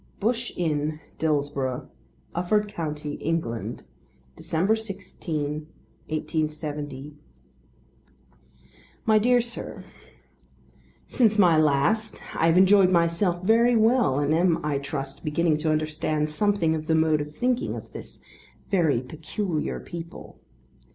Bush Inn, Dillsborough, Ufford County, England, December 16, 187 . MY DEAR SIR, Since my last I have enjoyed myself very well and I am I trust beginning to understand something of the mode of thinking of this very peculiar people.